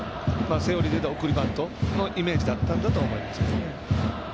セオリーでいったら送りバントのイメージだったんだと思うんですけどね。